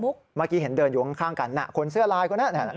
เมื่อกี้เห็นเดินอยู่ข้างกันคนเสื้อลายคนนั้น